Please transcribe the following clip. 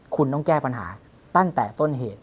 คุณต้องแก้ปัญหาตั้งแต่ต้นเหตุ